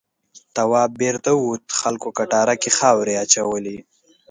تواب بېرته ووت خلکو کټاره کې خاورې اچولې.